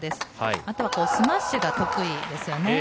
あとはスマッシュが得意ですよね。